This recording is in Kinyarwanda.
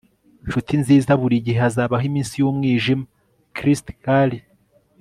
nshuti nziza buri gihe hazabaho iminsi y'umwijima - kris carr